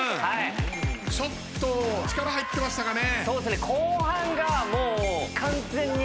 ちょっと力入ってましたかね。